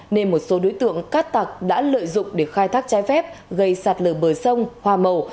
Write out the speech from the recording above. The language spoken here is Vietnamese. nên một số đối tượng cát tặc đã lợi dụng để khai thác trái phép gây sạt lở bờ sông hoa màu